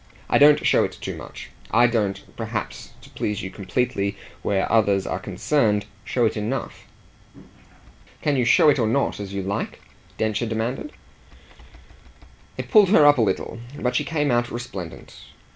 I don't show it too much; I don't perhaps to please you completely where others are concerned show it enough." "Can you show it or not as you like?" Densher demanded. It pulled her up a little, but she came out resplendent.